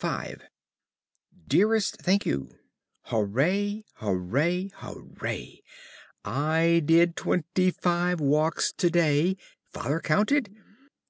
V Dearest Thankyou, Hooray, hooray, hooray I did twenty five walks to day! Father counted.